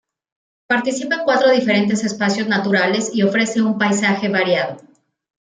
Participa en cuatro diferentes espacios naturales y ofrece un paisaje variado.